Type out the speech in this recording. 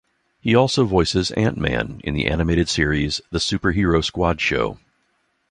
He also voices Ant-Man in the animated series "The Super Hero Squad Show".